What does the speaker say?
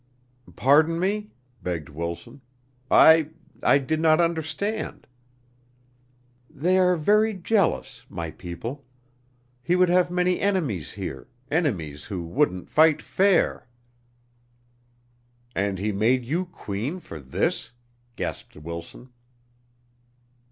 "Pardon me," begged Wilson. "I I did not understand." "They are very jealous my people. He would have many enemies here enemies who wouldn't fight fair." "And he made you Queen for this!" gasped Wilson.